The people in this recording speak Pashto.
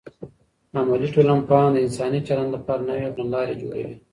عملي ټولنپوهان د انساني چلند لپاره نوې کړنلارې جوړوي.